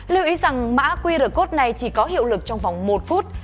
lưu ý rằng mã qr code này chỉ có hiệu lực trong vòng một phút